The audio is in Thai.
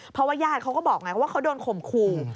เพราะว่าญาติเขาก็บอกไงว่าเขาโดนข่มขู่